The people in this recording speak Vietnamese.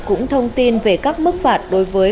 cũng thông tin về các mức phạt đối với